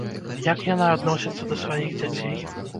Як яна адносіцца да сваіх дзяцей?